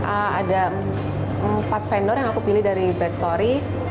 ada empat vendor yang aku pilih dari bright story